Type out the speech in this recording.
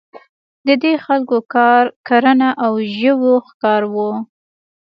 د دې خلکو کار کرنه او ژویو ښکار وو.